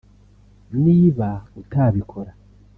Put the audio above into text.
niba utabikora